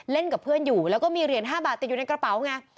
กับเพื่อนอยู่แล้วก็มีเหรียญ๕บาทติดอยู่ในกระเป๋าไง